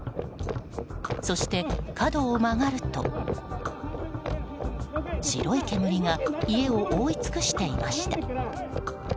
そして、角を曲がると白い煙が家を覆い尽くしていました。